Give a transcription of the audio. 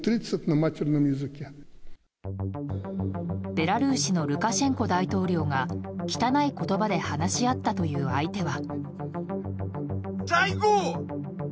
ベラルーシのルカシェンコ大統領が汚い言葉で話し合ったという相手は。